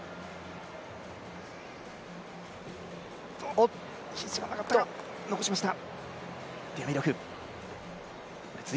おっ、肘が曲がったが、残しました。